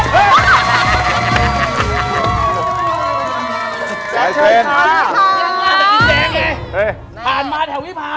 เชิญ